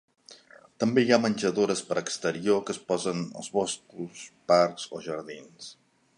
També hi ha menjadores per exterior que es posen als boscos, parcs o jardins.